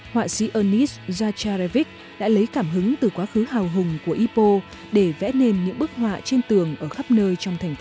họa sĩ ernest zajarevic đã lấy cảm hứng từ quá khứ hào hùng của ipoh để vẽ nên những bức họa trên tường ở khắp nơi